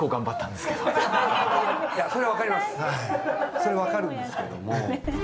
それはわかるんですけども。